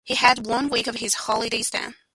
He had one week of his holidays then.